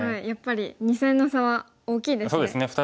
やっぱり２線の差は大きいですね。